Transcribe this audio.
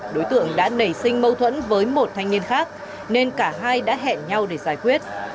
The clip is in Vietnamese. đối tượng đã nảy sinh mâu thuẫn với một thanh niên khác nên cả hai đã hẹn nhau để giải quyết